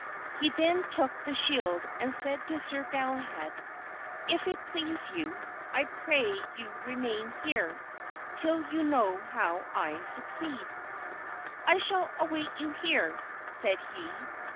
He then took the shield and said to Sir Galahad, "If it please you, I pray you remain here, till you know how I succeed." "I shall await you here," said he.